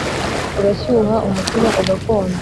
Urashyuha, umutima ugakonja